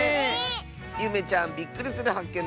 ゆめちゃんびっくりするはっけん